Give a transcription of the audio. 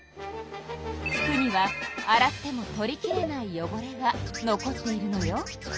服には洗っても取りきれないよごれが残っているのよ。